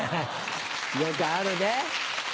よくあるね。